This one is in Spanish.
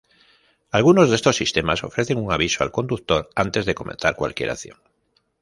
Algunos de estos sistemas ofrecen un aviso al conductor antes de comenzar cualquier acción.